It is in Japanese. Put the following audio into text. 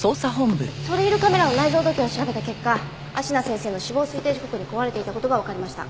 トレイルカメラの内蔵時計を調べた結果芦名先生の死亡推定時刻に壊れていた事がわかりました。